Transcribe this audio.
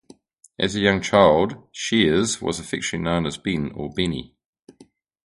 As a young child, Sheares was affectionately known as "Ben" or "Bennie".